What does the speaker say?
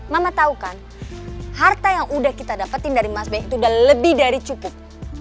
mama tahu kan harta yang udah kita dapetin dari mas bey itu udah lebih dari cukup